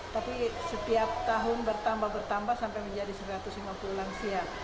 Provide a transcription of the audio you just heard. tapi setiap tahun bertambah bertambah sampai menjadi satu ratus lima puluh lansia